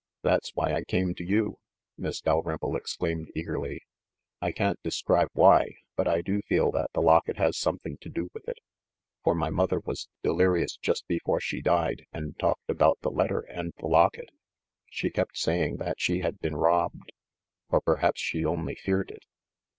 That's why I came to you," Miss Dalrymple exclaimed eagerly. "I can't describe why, but I do feel that the locket has something to do with it ; for my mother was delirious just before she died, and talked about the letter and the locket. She kept saying that she had been robbed — or perhaps she only feared it.